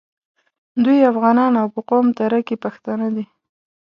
دوی افغانان او په قوم تره کي پښتانه دي.